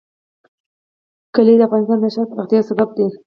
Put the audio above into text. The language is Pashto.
کلي د افغانستان د ښاري پراختیا یو سبب دی.